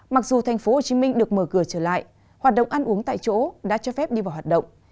mặc dù thành phố hồ chí minh được mở cửa trở lại hoạt động ăn uống tại chỗ đã cho phép đi vào hoạt động